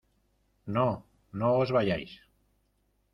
¡ No, no os vayáis!